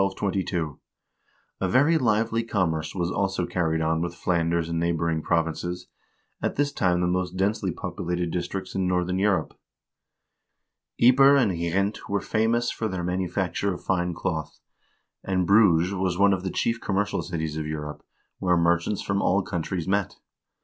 A very lively commerce was also carried on with Flanders and neighboring provinces, at this time the most densely populated districts in northern Europe. Ypres and Gent were famous for their manufacture of fine cloth, and Bruges was one of the chief commercial cities of Europe, where merchants from all countries met.